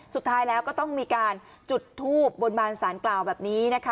สุดท้ายแล้วก็ต้องมีการจุดทูบบนบานสารกล่าวแบบนี้นะคะ